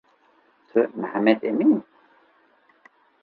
Tu Mihemmed Emîn î